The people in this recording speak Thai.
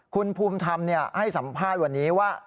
คุณภูมิธรรมให้สัมภาษณ์วันนี้ว่า